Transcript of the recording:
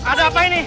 ada apa ini